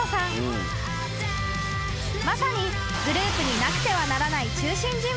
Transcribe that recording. ［まさにグループになくてはならない］